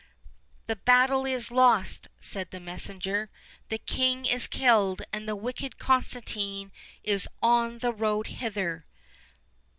"The battle is lost," said the messenger, "the king is killed., and the wicked Constantino is on the road hither."